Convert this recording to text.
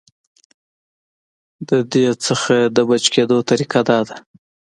د دې نه د بچ کېدو طريقه دا ده -